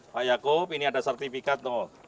pak yaakub ini ada sertifikat dong